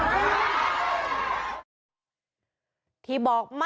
ขออนุญาตต่อหน้าคนสัตว์หีบที่นี่เลยครับ